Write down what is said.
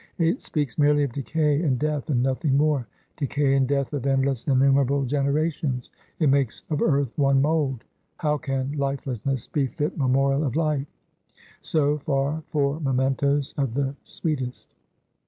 It speaks merely of decay and death, and nothing more; decay and death of endless innumerable generations; it makes of earth one mold. How can lifelessness be fit memorial of life? So far, for mementoes of the sweetest.